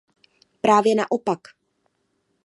Právě naopak.